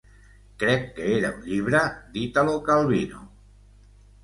Crec que era un llibre d'Italo Calvino...